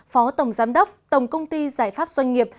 phó tổng giám đốc tổng công ty giải pháp doanh nghiệp